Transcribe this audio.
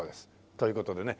という事でね